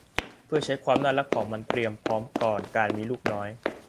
เพื่อใช้ความน่ารักของมันเตรียมพร้อมก่อนการมีลูกน้อย